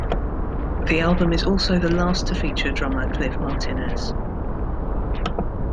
The album is also the last to feature drummer Cliff Martinez.